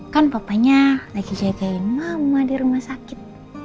kan papanya lagi jagain mama di rumah sakit